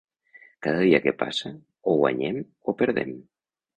Cada dia que passa, o guanyem o perdem.